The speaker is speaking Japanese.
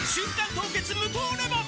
凍結無糖レモン」